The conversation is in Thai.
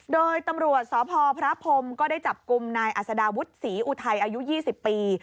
โดยตำรวจสพพระพรมก็ได้จับกลุ่มนายอัศดาวุฒิศรีอุทัยอายุ๒๐ปี